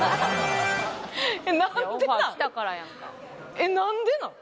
えっなんでなん？